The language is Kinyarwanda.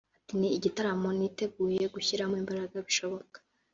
Ati “Ni igitaramo niteguye gushyiramo imbaraga bishoboka